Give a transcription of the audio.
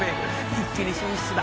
「一気に進出だ。